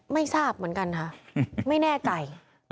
ไม่ทราบเหมือนกันค่ะไม่แน่ใจ